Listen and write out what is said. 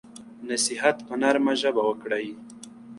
نصیحت په نرمه ژبه وکړئ.